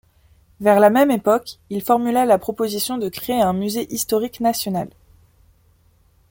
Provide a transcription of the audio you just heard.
Vers la même époque, il formula la proposition de créer un Musée historique national.